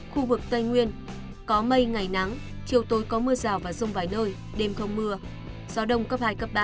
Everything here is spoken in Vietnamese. khu vực tây nguyên có mây ngày nắng chiều tối có mưa rào và rông vài nơi đêm không mưa gió đông cấp hai cấp ba